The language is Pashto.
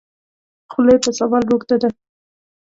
خوله یې په سوال روږده ده.